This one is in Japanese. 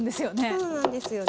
そうなんですよね。